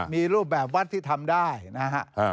มีรูปแบบวัดที่ทำได้นะฮะ